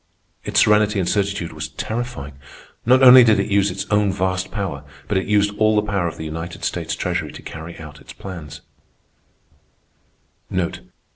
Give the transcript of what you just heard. Its serenity and certitude was terrifying. Not only did it use its own vast power, but it used all the power of the United States Treasury to carry out its plans.